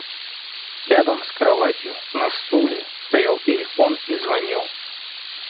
Рядом с кроватью, на стуле стоял телефон и звонил.